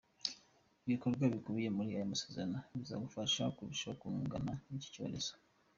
Ibikorwa bikubiye muri aya masezerano bizadufasha kurushaho guhangana n’iki cyorezo.